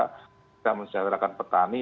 kita mencerahkan petani